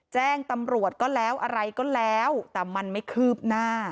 แจ้งตำรวจก็แล้วอะไรก็แล้วแต่มันไม่คืบหน้า